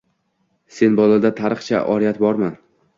Sen bolada tariqcha oriyat bormi?